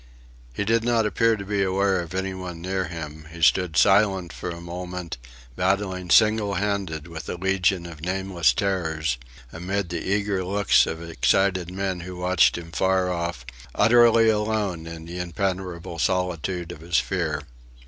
He did not appear to be aware of any one near him; he stood silent for a moment, battling single handed with a legion of nameless terrors, amidst the eager looks of excited men who watched him far off, utterly alone in the impenetrable solitude of his fear.